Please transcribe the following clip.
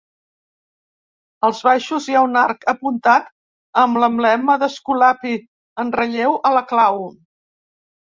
Als baixos hi ha un arc apuntat amb l'emblema d'Esculapi en relleu a la clau.